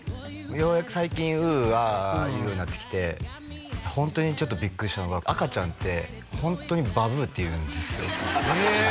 ようやく最近ウーウーアーアー言うようになってきてホントにちょっとビックリしたのが赤ちゃんってホントにバブーって言うんですよへえ